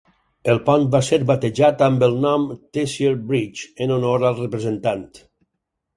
El pont va ser batejat amb el nom Tessier Bridge en honor al representant.